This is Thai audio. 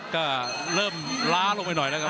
ก็เริ่มล้าลงไปหน่อยนะครับ